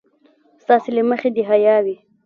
ستاسې له مخې د حيا وي.